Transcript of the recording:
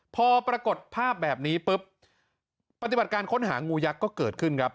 พอปรากฏภาพแบบนี้ปุ๊บปฏิบัติการค้นหางูยักษ์ก็เกิดขึ้นครับ